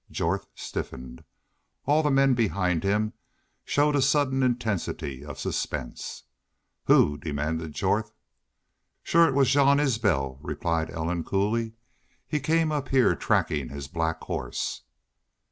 Jorth stiffened. All the men behind him showed a sudden intensity of suspense. "Who?" demanded Jorth. "Shore it was Jean Isbel," replied Ellen, coolly. "He came up heah tracking his black horse."